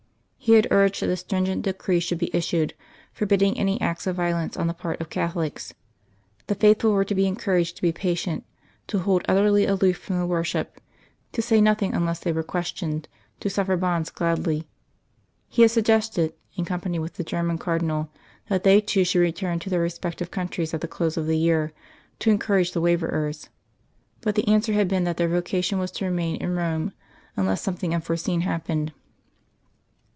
He had urged that a stringent decree should be issued, forbidding any acts of violence on the part of Catholics. The faithful were to be encouraged to be patient, to hold utterly aloof from the worship, to say nothing unless they were questioned, to suffer bonds gladly. He had suggested, in company with the German Cardinal, that they two should return to their respective countries at the close of the year, to encourage the waverers; but the answer had been that their vocation was to remain in Rome, unless something unforeseen happened.